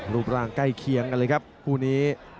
รูปร่างใกล้เคียงกันเลยครับคู่นี้